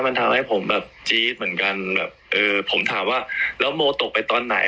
มันทำให้ผมแบบจี๊ดเหมือนกันแบบเออผมถามว่าแล้วโมตกไปตอนไหน